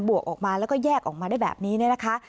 วกออกมาแล้วก็แยกออกมาได้แบบนี้เนี่ยนะคะ